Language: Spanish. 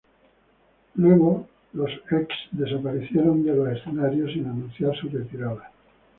Luego, Los Ex desaparecieron de los escenarios sin anunciar su retirada.